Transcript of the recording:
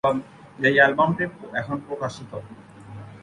এই অ্যালবামটি এখন প্রকাশিত।